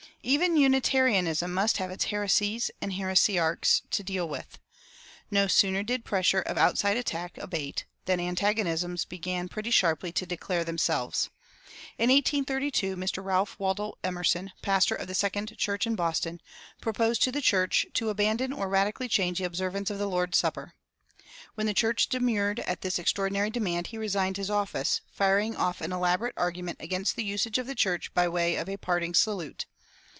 Even Unitarianism must have its heresies and heresiarchs to deal with. No sooner did the pressure of outside attack abate than antagonisms began pretty sharply to declare themselves. In 1832 Mr. Ralph Waldo Emerson, pastor of the Second Church in Boston, proposed to the church to abandon or radically change the observance of the Lord's Supper. When the church demurred at this extraordinary demand he resigned his office, firing off an elaborate argument against the usage of the church by way of a parting salute.